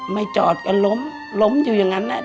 ไม่จอดก็ล้มล้มอยู่อย่างนั้น